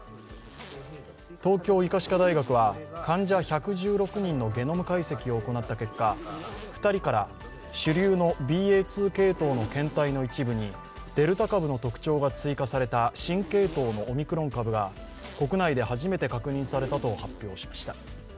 東京医科歯科大学は、患者１１６人のゲノム解析を行った結果、２人から主流のＢＡ．２系統の検体の一部にデルタ株の特徴が追加された新系統のオミクロン株が国内で初めて確認されたと発表しました。